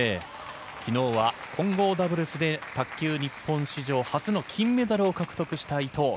昨日は混合ダブルスで卓球日本史上初の金メダルを獲得した伊藤。